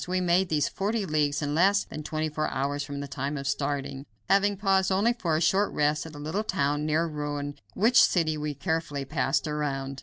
We made these forty leagues in less than twenty four hours from the time of starting; having paused only for a short rest at a little town near Rouen, which city we carefully passed around.